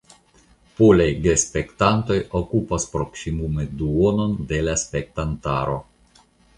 Polaj gespektantoj okupas proksimume duonon de la spektantaro.